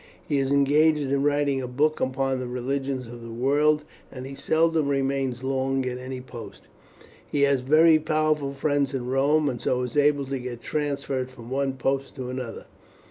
He is engaged in writing a book upon the religions of the world, and he seldom remains long at any post. He has very powerful friends in Rome, and so is able to get transferred from one post to another.